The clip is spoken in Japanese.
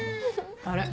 あれ？